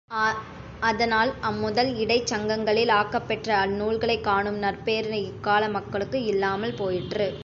அதனால் அம்முதல், இடைச் சங்கங்களில் ஆக்கப் பெற்ற அந்நூல்களைக் காணும் நற்பேறு இக்கால மக்களுக்கு இல்லாமற் போயிற்று.